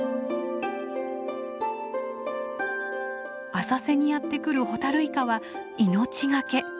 浅瀬にやって来るホタルイカは命懸け。